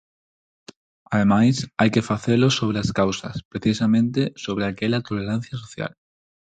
Ademais, hai que facelo sobre as causas, precisamente sobre aquela tolerancia social.